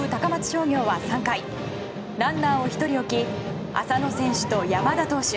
商業は３回ランナーを１人置き浅野選手と山田投手